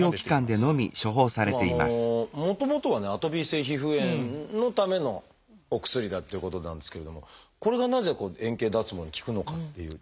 でももともとはねアトピー性皮膚炎のためのお薬だっていうことなんですけれどもこれがなぜ円形脱毛に効くのかっていう。